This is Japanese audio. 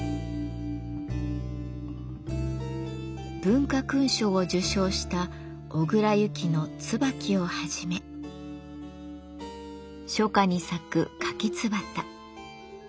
文化勲章を受賞した小倉遊亀の「椿」をはじめ初夏に咲く「杜若」。